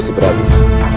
senikah aku seberang